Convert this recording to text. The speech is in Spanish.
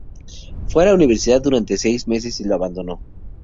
Fue a la Universidad durante seis meses y la abandonó.